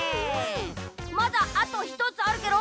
まだあと１つあるケロ。